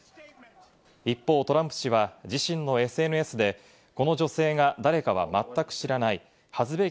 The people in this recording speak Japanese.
一方、トランプ氏は自身のＳＮＳで、この女性が誰かは全く知らない。